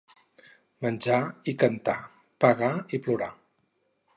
Menjar i cantar, pagar i plorar.